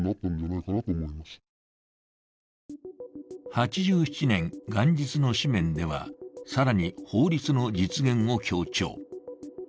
８７年元日の紙面では、更に法律の実現を強調。